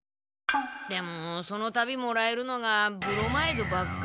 でもそのたびもらえるのがブロマイドばっかり。